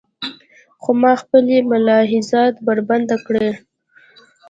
خو ما خپلې ملاحظات بربنډ کړل.